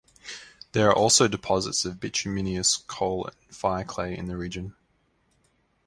There are also deposits of bituminous coal and fire clay in the region.